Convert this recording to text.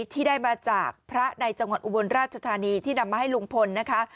ที่ได้มาจากพระในจังหวัดอุบลราชธานีที่นำมาให้ลุงพลนะคะ